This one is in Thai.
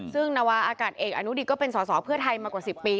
ซึ่งนวาอากาศเอกอนุดิตก็เป็นสอสอเพื่อไทยมากว่า๑๐ปี